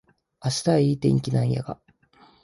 明日はいい天気なんやが